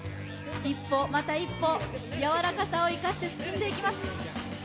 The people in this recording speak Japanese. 一歩、また一歩、やわらかさを生かして進んでいきます。